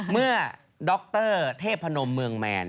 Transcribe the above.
เมื่อดรเทพนมเมืองแมน